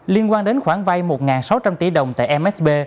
liên quan đến khoảng vay một sáu trăm linh triệu đồng tại msb